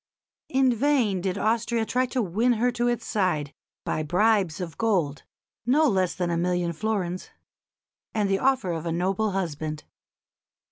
In vain did Austria try to win her to its side by bribes of gold (no less than a million florins) and the offer of a noble husband.